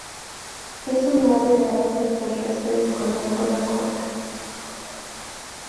Es un ave de hábitos terrestres con la cola corta.